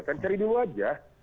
kan cari dulu aja